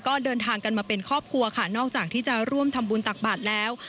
ก็เดินทางกันมาเป็นครอบครัวค่ะนอกจากที่จะร่วมทำบุญตักบาทแล้ว